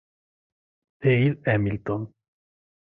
Dale Hamilton